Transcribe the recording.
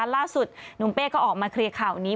ล่าสุดนุ้มเป้ออกมาเครียร์หน่อย